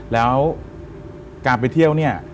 แล้วการไปเที่ยวเนี่ย